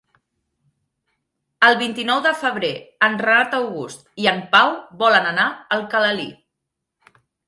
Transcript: El vint-i-nou de febrer en Renat August i en Pau volen anar a Alcalalí.